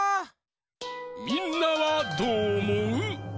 みんなはどうおもう？